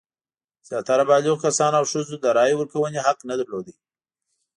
زیاتره بالغو کسانو او ښځو د رایې ورکونې حق نه درلود.